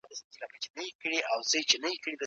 ډاکټر کمپبل وايي هره ورځ لنډ مهال حرکت وکړئ.